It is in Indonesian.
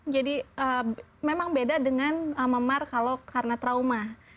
jadi memang beda dengan memar kalau karena trauma